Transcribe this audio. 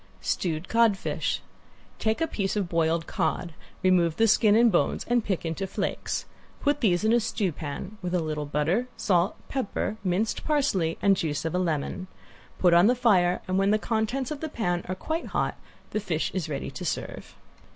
~STEWED CODFISH~ Take a piece of boiled cod, remove the skin and bones and pick into flakes. Put these in a stewpan, with a little butter, salt, pepper, minced parsley and juice of a lemon. Put on the fire and when the contents of the pan are quite hot the fish is ready to serve.